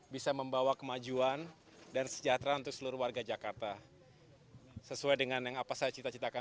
bisa membawa kemajuan dan sejahtera untuk seluruh warga jakarta sesuai dengan yang apa saya cita citakan